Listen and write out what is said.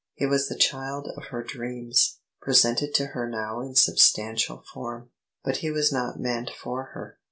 He was the child of her dreams, presented to her now in substantial form; but he was not meant for her.